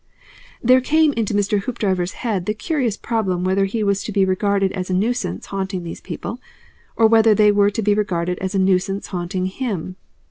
There came into Mr. Hoopdriver's head the curious problem whether he was to be regarded as a nuisance haunting these people, or whether they were to be regarded as a nuisance haunting him.